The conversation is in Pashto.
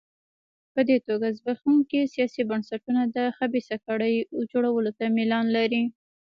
په دې توګه زبېښونکي سیاسي بنسټونه د خبیثه کړۍ جوړولو ته میلان لري.